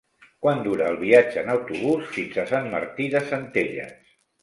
Quant dura el viatge en autobús fins a Sant Martí de Centelles?